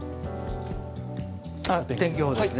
天気予報ですね。